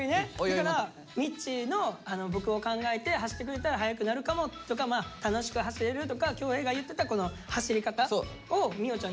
だからみっちーの「僕を考えて走ってくれたら速くなるかも」とか楽しく走れるとか恭平が言ってた走り方をみおちゃん